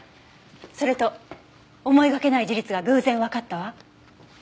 それと思いがけない事実が偶然わかったわ。